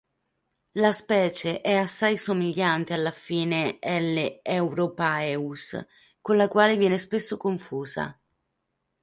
La specie è assai somigliante all'affine "L. europaeus", con la quale viene spesso confusa.